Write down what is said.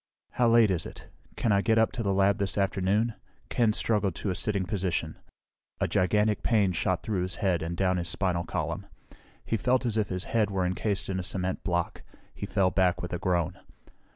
"How late is it? Can I get up to the lab this afternoon?" Ken struggled to a sitting position. A gigantic pain shot through his head and down his spinal column. He felt as if his head were encased in a cement block. He fell back with a groan.